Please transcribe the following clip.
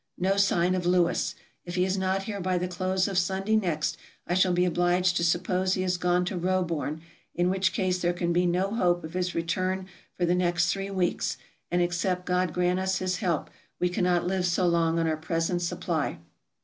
No sign of Lewis. If he is not here by the close of Sunday next, I shall be obliged to suppose he has gone to Roebourne, in which case there can be no hope of his re turn for the next three weeks, and, except God grant us His help, we cannot live so long on our present supply.